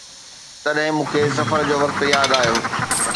تڏهن مون کي سفر جو وقت ياد آيو